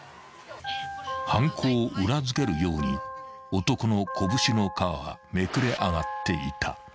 ［犯行を裏付けるように男の拳の皮はめくれ上がっていた］